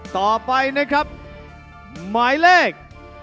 ต่อไปนะครับหมายเลข